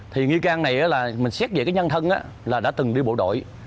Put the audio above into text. thì nghi can này là mình xét về cái nhân thân là đã từng đi bộ đội